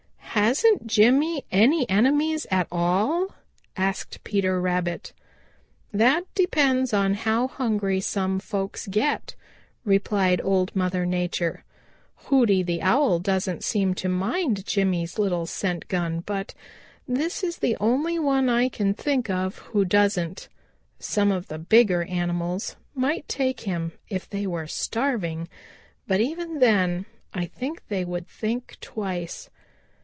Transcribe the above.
"Hasn't Jimmy any enemies at all?" asked Peter Rabbit. "That depends on how hungry some folks get," replied Old Mother Nature. "Hooty the Owl doesn't seem to mind Jimmy's little scent gun, but this is the only one I can think of who doesn't. Some of the bigger animals might take him if they were starving, but even then I think they would think twice.